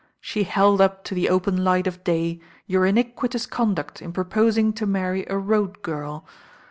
She held up to the open light of day your iniquitous conduct in, proposing to marry a road |prl.